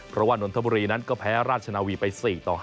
เพราะว่านนทบุรีนั้นก็แพ้ราชนาวีไป๔ต่อ๕